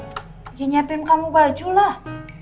ya nyiapin kamu baju lah